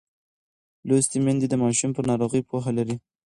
لوستې میندې د ماشوم پر ناروغۍ پوهه لري.